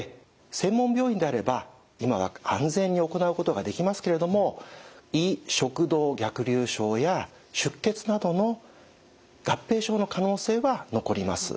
専門病院であれば今は安全に行うことができますけれども胃食道逆流症や出血などの合併症の可能性は残ります。